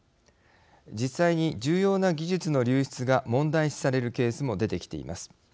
実際に重要な技術の流出が問題視されるケースも出てきています。